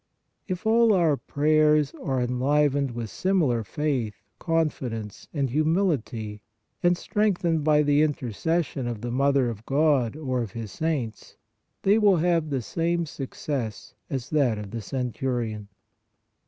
If all our prayers are enlivened with similar faith, confidence and humility and strengthened by the intercession of the Mother of God or of His saints, they will have the same success as that of the cen turion.